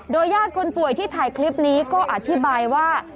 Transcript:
ญาติคนป่วยที่ถ่ายคลิปนี้ก็อธิบายว่า